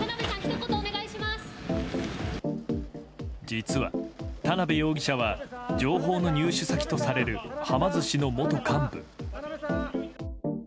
実は、田辺容疑者は情報の入手先とされるはま寿司の元幹部。